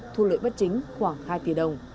thu lợi bất chính khoảng hai tỷ đồng